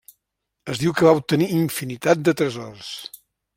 Es diu que va obtenir infinitat de tresors.